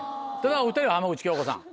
お２人は浜口京子さん。